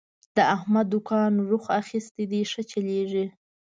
د احمد دوکان روخ اخستی دی، ښه چلېږي.